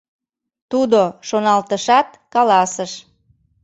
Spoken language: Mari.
Тудо, шоналтышат, каласыш: